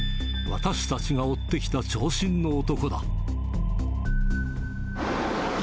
私たちが追ってきた長身の男だ。